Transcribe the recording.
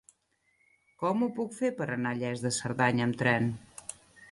Com ho puc fer per anar a Lles de Cerdanya amb tren?